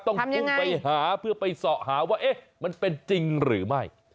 ต้องพุ่งไปหาเพื่อไปสอบหาว่าเอ๊ะมันเป็นจริงหรือไม่